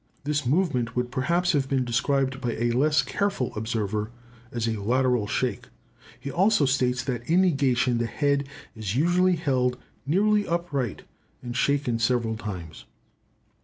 This movement would perhaps have been described by a less careful observer as a lateral shake. He also states that in negation the head is usually held nearly upright, and shaken several times.